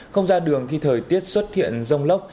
không ra đường khi thời tiết xuất hiện rông lốc